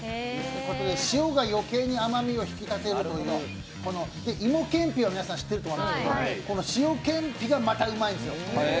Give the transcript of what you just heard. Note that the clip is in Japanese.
塩がよけいに甘みを引き立てるという、芋けんぴは皆さん知っていると思いますけどこの塩けんぴがまたうまいんすよ。